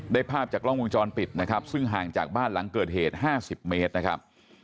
ภาพจากกล้องวงจรปิดนะครับซึ่งห่างจากบ้านหลังเกิดเหตุ๕๐เมตรนะครับ